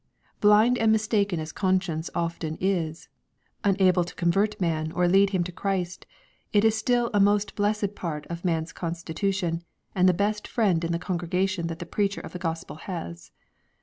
Blind aod mistaken as conscience often is^ unable to convert man or lead him to Christy it is still a most blessed part of man's constitution, and the best friend in the congregation that the preacher of the Gospel has.